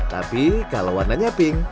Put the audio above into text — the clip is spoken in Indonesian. tapi kalau warnanya pink